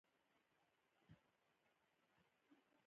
افغانستان په هلمند سیند او د هغې په اوبو غني دی.